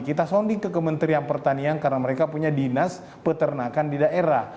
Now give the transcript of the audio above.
kita sonding ke kementerian pertanian karena mereka punya dinas peternakan di daerah